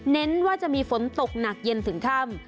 เน้นว่าจะมีฝนตกหนักเย็นถึงค่ำ